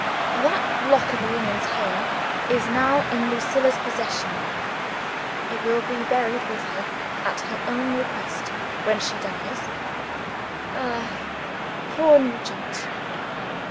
That "lock of a woman's hair" is now in Lucilla's possession. It will be buried with her, at her own request, when she dies. Ah, poor Nugent!